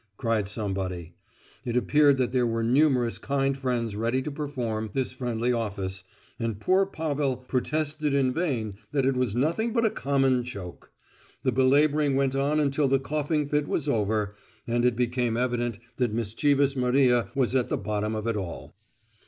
cried somebody. It appeared that there were numerous kind friends ready to perform this friendly office, and poor Pavel protested in vain that it was nothing but a common choke. The belabouring went on until the coughing fit was over, and it became evident that mischievous Maria was at the bottom of it all.